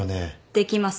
できます。